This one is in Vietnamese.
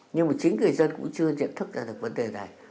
nhưng mà chính người dân cũng chưa nhận thức ra được vấn đề này